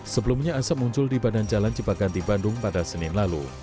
sebelumnya asap muncul di badan jalan cipaganti bandung pada senin lalu